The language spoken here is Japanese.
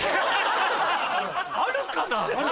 あるかな？